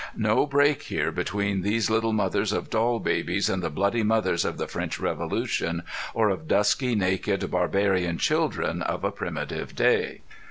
No break here between these little mothers of doll babies and the bloody mothers of the French Revolution, or of dusky, naked, barbarian children of a primitive day!